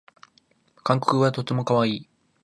韓国語はとてもかわいい